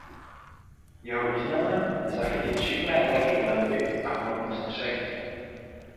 Jeho významem je zachytit šikmé tlaky klenby a hmotnost střechy.